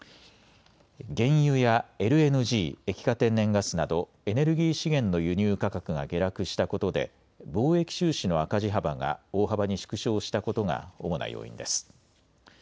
原油やＬＮＧ・液化天然ガスなどエネルギー資源の輸入価格が下落したことで貿易収支の赤字幅が大幅に縮小したことが主な要因です。